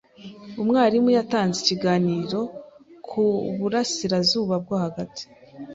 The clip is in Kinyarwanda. Umwarimu yatanze ikiganiro ku burasirazuba bwo hagati.